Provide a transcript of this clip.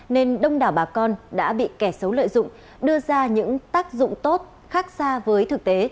nên đông đảo bà con đã bị kẻ xấu lợi dụng đưa ra những tác dụng tốt khác xa với thực tế